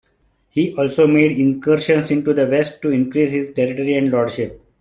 He also made incursions into the west to increase his territory and lordship.